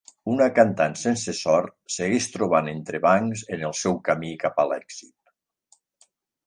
Una cantant sense sort segueix trobant entrebancs en el seu camí cap a l'èxit.